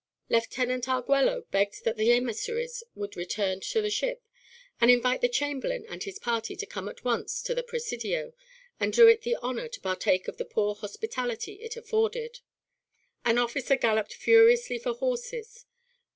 Lieutenant Arguello begged that the emissaries would return to the ship and invite the Chamberlain and his party to come at once to the Presidio and do it the honor to partake of the poor hospitality it afforded. An officer galloped furiously for horses.